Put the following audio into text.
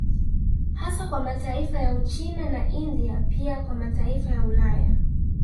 Hasa kwa mataifa ya Uchina na India pia kwa mataifa ya Ulaya